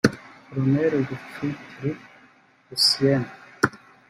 Colonel Rufyiri Lucien